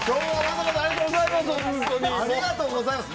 ありがとうございます。